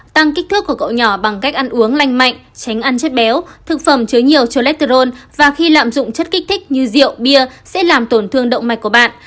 tăng kích thước của cậu nhỏ bằng cách ăn uống lành mạnh tránh ăn chất béo thực phẩm chứa nhiều choletterone và khi lạm dụng chất kích thích như rượu bia sẽ làm tổn thương động mạch của bạn